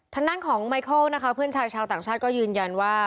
ทางด้านของไมเคิลนะคะเพื่อนชายชาวต่างชาติก็ยืนยันว่า